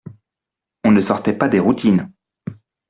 On ne sortait pas des routines.